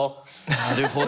なるほど。